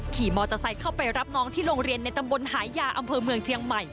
ขี่มอเตอร์ไซค์เข้าไปรับน้องที่โรงเรียนในตำบลหายาอำเภอเมืองเชียงใหม่